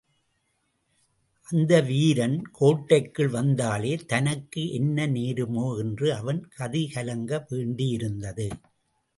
அந்த வீரன் கோட்டைக்குள் வந்தாலே தனக்கு என்ன நேருமோ என்று அவன் கதிகலங்க வேண்டியிருந்தது.